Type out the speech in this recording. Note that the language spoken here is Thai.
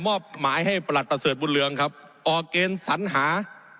มอบหมายให้ประหลัดประเสริฐบุญเรืองครับออกเกณฑ์สัญหา